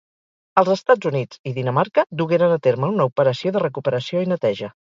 Els Estats Units i Dinamarca dugueren a terme una operació de recuperació i neteja.